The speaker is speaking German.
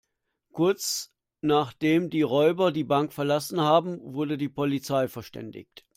Kurz, nachdem die Räuber die Bank verlassen haben, wurde die Polizei verständigt.